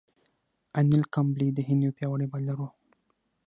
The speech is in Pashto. انیل کمبلې د هند یو پياوړی بالر وو.